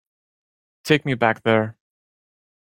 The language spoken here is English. Take me back there.